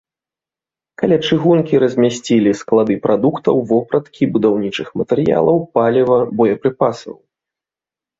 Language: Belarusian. Каля чыгункі размясцілі склады прадуктаў, вопраткі, будаўнічых матэрыялаў, паліва, боепрыпасаў.